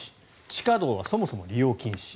地下道はそもそも利用禁止。